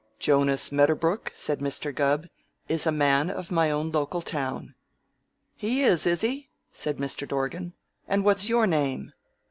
"Jonas Medderbrook," said Mr. Gubb, "is a man of my own local town." "He is, is he?" said Mr. Dorgan. "And what's your name?"